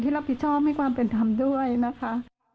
รับผิดชอบให้ความเป็นธรรมด้วยนะคะ